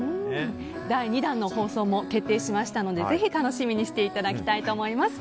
第２弾の放送も決定しましたのでぜひ楽しみにしていただきたいと思います。